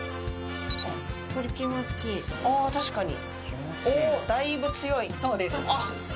ああ確かに。